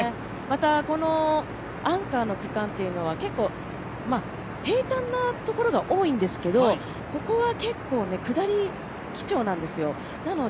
このアンカーの区間というのは結構平坦なところが多いんですけどここは結構下り基調なんですよ。